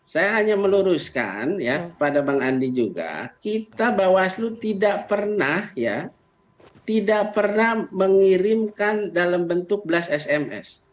saya hanya meluruskan ya kepada bang andi juga kita bawaslu tidak pernah ya tidak pernah mengirimkan dalam bentuk belas sms